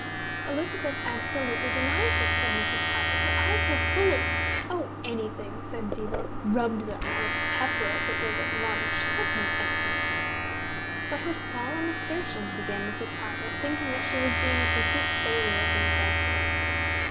"Elizabeth absolutely denies it," said Mrs. Poppit. "Her eyes were full of " "Oh, anything," said Diva. "Rubbed them. Or pepper if it was at lunch. That's no evidence." "But her solemn assertion " began Mrs. Poppit, thinking that she was being a complete failure as an ambassador.